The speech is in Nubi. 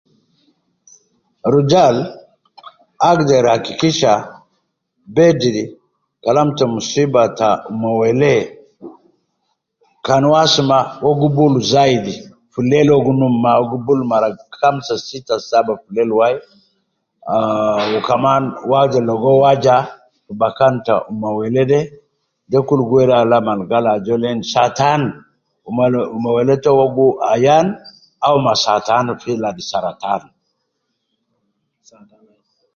Rujal agder akikisha bediri Kalam te muswiba ta ma wele kan uwo asuma uwo gi bulu zaidi filel uwo gi num na uwo gi bul mara kamsa sita saba filel wai ah wu kaman uwo agder ligo waja bakan ta ma wele de ,de kul gi weri alama al gal ajol wede en saa tan Uma lo ma wele to wu ayan au ma saa tan fi ma saratan